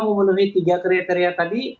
memenuhi tiga kriteria tadi